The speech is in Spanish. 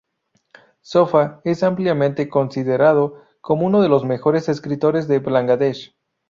Sofá es ampliamente considerado como uno de los mejores escritores de Bangladesh.